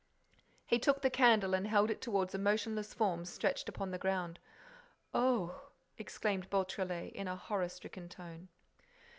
He took the candle and held it towards a motionless form stretched upon the ground. "Oh!" exclaimed Beautrelet, in a horror stricken tone.